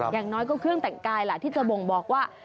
อย่างน้อยก็เครื่องแต่งกายล่ะที่จะบ่งบอกว่า